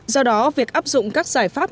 do đó việc áp dụng các giải pháp